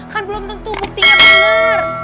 kan belum tentu buktinya benar